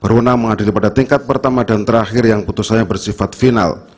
corona mengadili pada tingkat pertama dan terakhir yang putusannya bersifat final